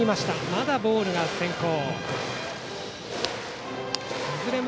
まだボールが先行。